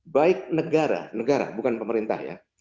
baik negara negara bukan pemerintah ya